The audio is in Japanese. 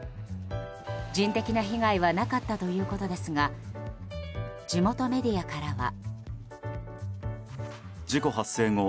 人的な被害はなかったということですが地元メディアからは。